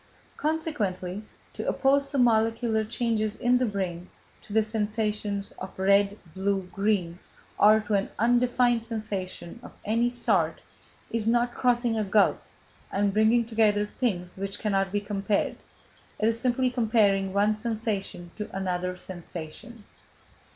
Consequently, to oppose the molecular changes in the brain to the sensation of red, blue, green, or to an undefined sensation of any sort, is not crossing a gulf, and bringing together things which cannot be compared, it is simply comparing one sensation to another sensation.